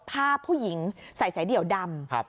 ภาพผู้หญิงใส่สายเดี่ยวดำ